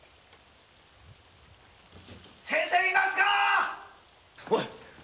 ・先生いますか？